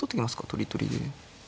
取り取りで。